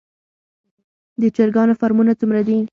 د چرګانو فارمونه څومره دي؟